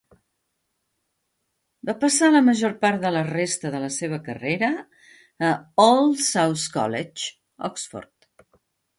Va passar la major part de la resta de la seva carrera a All Souls College, Oxford.